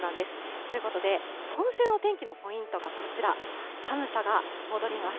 ということで、今週の天気のポイントがこちら、寒さが戻ります。